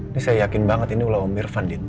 ini saya yakin banget ini ulah om irvan din